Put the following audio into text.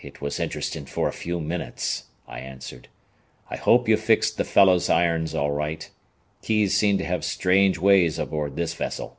"It was interesting for a few minutes," I answered. "I hope you fixed the fellow's irons all right. Keys seem to have strange ways aboard this vessel."